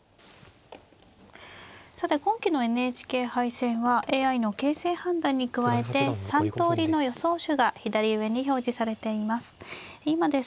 さて今期のＮＨＫ杯戦はＡＩの形勢判断に加えて３通りの予想手が左上に表示されています。